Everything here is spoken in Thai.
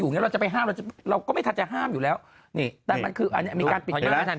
อยู่นี้เราจะไปห้ามเราก็ไม่ทักจะห้ามอยู่แล้วนี่ด้านนั้นคืออันนี้มีการปิดม่าน